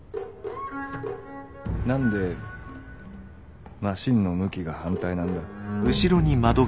何でマシンの向きが反対なんだ？